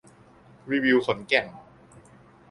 รีวิวขอนแก่น